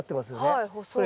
はい細い。